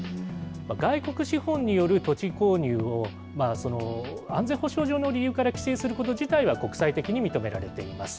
外国資本による土地購入を安全保障上の理由から規制すること自体は国際的に認められています。